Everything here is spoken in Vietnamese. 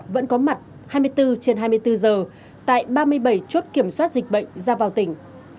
vẫn có mặt hai mươi bốn trên hai mươi bốn giờ tại ba mươi bảy chốt kiểm soát dịch bệnh ra vào tỉnh